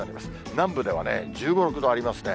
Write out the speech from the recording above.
南部ではね、１５、６度ありますね。